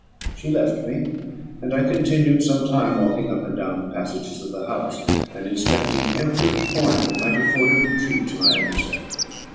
She left me, and I continued some time walking up and down the passages of the house, and inspecting every corner that might afford a retreat to my adversary.